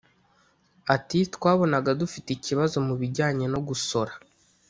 Ati “Twabonaga dufite ikibazo mu bijyanye no gusora